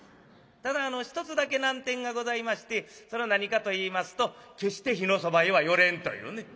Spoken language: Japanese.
ただあの１つだけ難点がございましてそれは何かといいますと決して火のそばへは寄れんというね。